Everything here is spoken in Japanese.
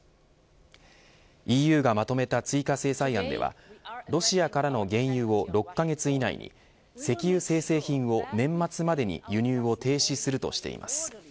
ＥＵがまとめた追加制裁案ではロシアからの原油を６カ月以内に石油精製品を年末までに輸入を停止するとしています。